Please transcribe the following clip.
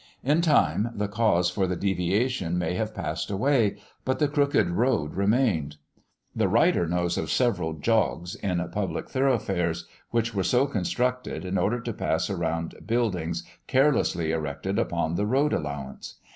In time the cause for the deviation may have passed away, but the crooked road remained. The writer knows of several "jogs" in public thoroughfares which were so constructed in order to pass around buildings carelessly erected upon the road allowance.